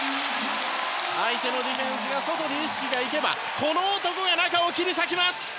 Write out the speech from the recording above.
相手のディフェンス外に意識が行けばこの男が中を切り裂きます！